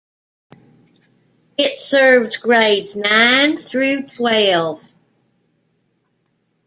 It serves grades nine through twelve.